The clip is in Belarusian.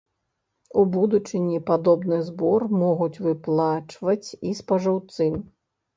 У будучыні падобны збор могуць выплачваць і спажыўцы.